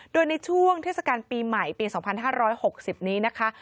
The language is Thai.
โดยในช่วงเทศกาลปีใหม่ปี๒๕๖๐นี้นะคะ